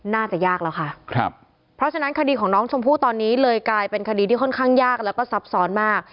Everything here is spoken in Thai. น่าจะยากแล้วค่ะครับเพราะฉะนั้นคดีของน้องชมพู่ตอนนี้เลยกลายเป็นคดีที่ค่อนข้างยากแล้วก็ซับซ้อนมาก